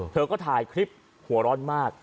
เธอก็ถ่ายคลิปหัวร้อนมาก